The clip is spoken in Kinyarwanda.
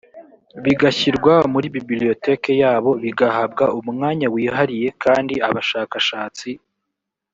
bigashyirwa muri bibliotheque yabo bigahabwa umwanya wihariye kandi abashakashatsi